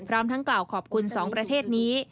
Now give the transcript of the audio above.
พร้อมทั้งกล่าวขอบคุณสองประเทศนี้